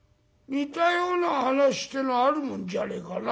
似たような話ってのはあるもんじゃねえかな」。